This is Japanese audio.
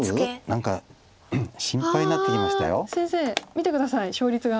見て下さい勝率が。